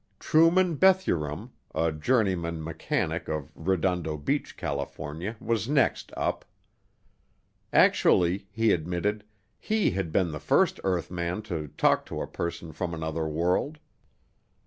Truman Bethurum, a journeyman mechanic of Redondo Beach, California, was next up. Actually, he admitted, he had been the first earthman to talk to a person from another world.